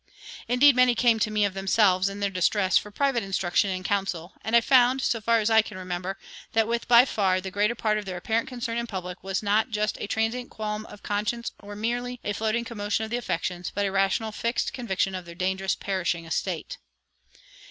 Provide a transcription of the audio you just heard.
Indeed, many came to me of themselves, in their distress, for private instruction and counsel; and I found, so far as I can remember, that with by far the greater part their apparent concern in public was not just a transient qualm of conscience or merely a floating commotion of the affections, but a rational, fixed conviction of their dangerous, perishing estate....